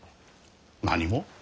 何も？